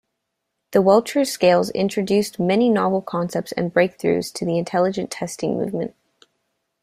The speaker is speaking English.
The Wechsler scales introduced many novel concepts and breakthroughs to the intelligence testing movement.